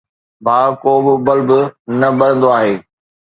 ڀاءُ، ڪو به بلب نه ٻرندو آهي